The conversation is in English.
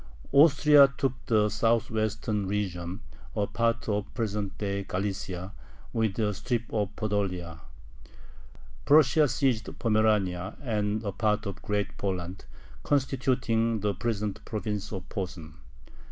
Austria took the southwestern region: a part of present day Galicia, with a strip of Podolia. Prussia seized Pomerania and a part of Great Poland, constituting the present province of Posen.